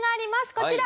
こちら。